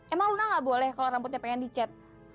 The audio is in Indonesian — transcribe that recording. emang luna nggak boleh kalau rambutnya pengen dicet